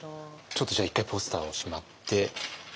ちょっとじゃあ一回ポスターをしまって。